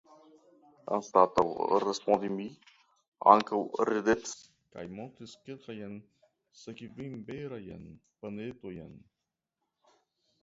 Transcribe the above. Anstataŭ respondi mi ankaŭ ridetis kaj montris kelkajn sekvinberajn panetojn.